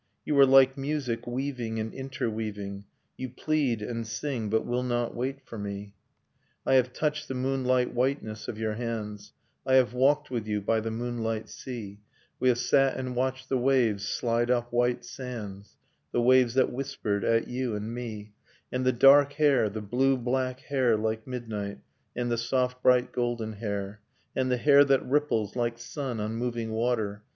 . You are like music, weaving and interweaving; You plead and sing, but will not wait for me. I have touched the moonlight whiteness of your hands, I have walked with you by the moonlight sea, Wc have sat and watched the waves slide up white sands, Sonata in Pathos The waves that whispered at you and me ; And the dark hair, the blue black hair like midnight, And the soft bright golden hair, And the hair that ripples like sun on moving water.